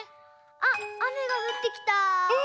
あっあめがふってきた。